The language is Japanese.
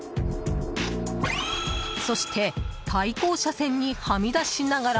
そして、対向車線にはみ出しながら。